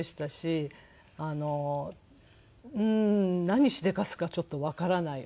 何しでかすかちょっとわからない。